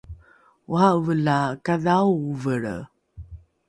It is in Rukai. ora’eve la kadhao ovelre